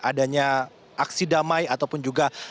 adanya aksi damai ataupun juga